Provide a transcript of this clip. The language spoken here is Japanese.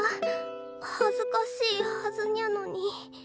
恥ずかしいはずにゃのに